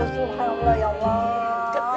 subhanallah ya allah